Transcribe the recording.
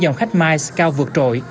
dòng khách mice cao vượt trội